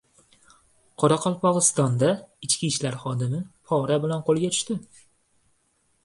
Qoraqalpog‘istonda Ichki ishlar xodimi pora bilan qo‘lga tushdi